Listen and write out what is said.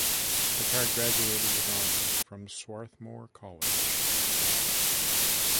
Picard graduated with honors from Swarthmore College.